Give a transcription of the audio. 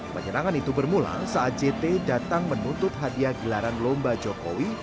penyerangan itu bermula saat jt datang menuntut hadiah gelaran lomba jokowi